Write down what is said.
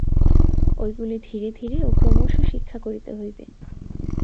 ঐগুলি ধীরে ধীরে ও ক্রমশ শিক্ষা করিতে হইবে।